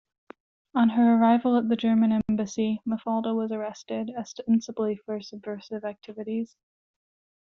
On her arrival at the German embassy, Mafalda was arrested, ostensibly for subversive activities.